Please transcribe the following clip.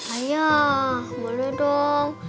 ayah boleh dong